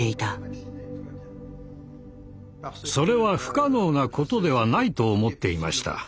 それは不可能なことではないと思っていました。